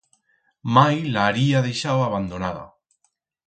Mai la haría deixau abandonada.